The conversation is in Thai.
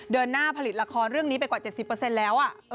เดินหน้าผลิตละครเรื่องนี้ไปกว่า๗๐แล้ว